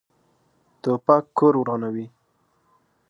توپک کور ورانوي.